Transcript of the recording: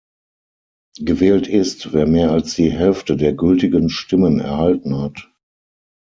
Gewählt ist, wer mehr als die Hälfte der gültigen Stimmen erhalten hat.